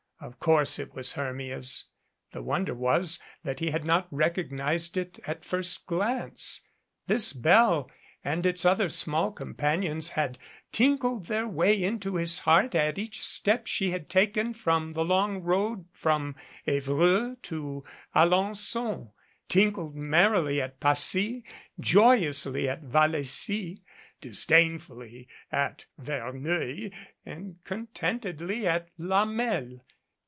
Of course it was Hermia's. The wonder was that he had not recognized it at a first glance. This bell and its other small com panions had tinkled their way into his heart at each step she had taken down the long road from Evreux to Alen 9on tinkled merrily at Passy, joyously at Vallecy, dis dainfully at Verneuil, and contentedly at La Mesle.